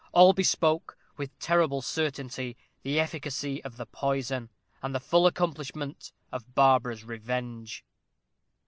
All bespoke, with terrible certainty, the efficacy of the poison, and the full accomplishment of Barbara's revenge.